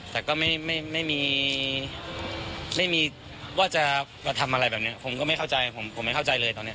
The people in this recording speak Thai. แต่ก็ไม่มีว่าจะทำอะไรแบบนี้ผมก็ไม่เข้าใจเลยตอนนี้